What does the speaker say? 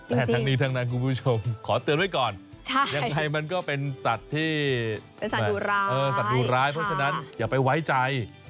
แต่ทั้งนี้ทั้งนั้นคุณผู้ชมขอเตือนไว้ก่อนยังไงมันก็เป็นสัตว์ที่เป็นสัตว์ดุร้ายเพราะฉะนั้นอย่าไปไว้ใจ